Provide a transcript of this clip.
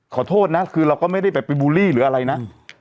ขอโทษนะคือเราก็ไม่ได้แบบไปบูลลี่หรืออะไรนะ